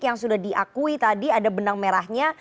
yang sudah diakui tadi ada benang merahnya